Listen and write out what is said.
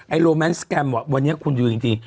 ไอ้โรแมนส์สแกมว่ะวันนี้คุณดูจริง